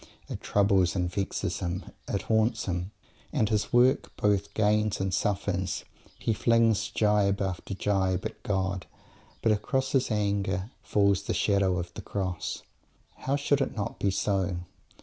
It troubles and vexes him. It haunts him. And his work both gains and suffers. He flings gibe after gibe at "God," but across his anger falls the shadow of the Cross. How should it not be so?